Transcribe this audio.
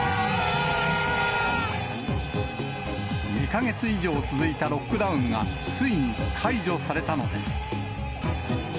２か月以上続いたロックダウンが、ついに解除されたのです。